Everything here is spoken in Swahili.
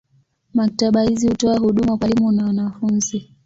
Maktaba hizi hutoa huduma kwa walimu na wanafunzi.